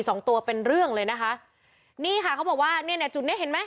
สองตัวเป็นเรื่องเลยนะคะนี่ค่ะเขาบอกว่าเนี้ยเนี้ยจุดเนี้ยเห็นไหม